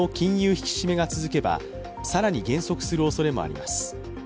引き締めが続けば更に減速するおそれもあります。